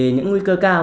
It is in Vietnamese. những nguy cơ cao